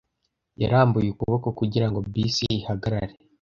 Yarambuye ukuboko kugira ngo bisi ihagarare.